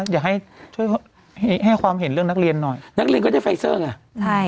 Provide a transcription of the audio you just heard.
อยากให้ช่วยให้ความเห็นเรื่องนักเรียนหน่อยนักเรียนก็ได้ไฟเซอร์ไง